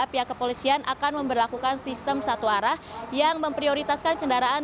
pihak kepolisian akan memperlakukan sistem satu arah yang memprioritaskan kendaraan